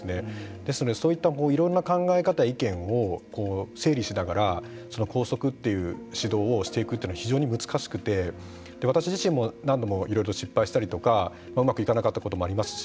ですので、そういったいろんな考え方や意見を整理しながら校則という指導をしていくというのは非常に難しくて私自身も何度もいろいろ失敗したりとかうまくいかなかったこともありますし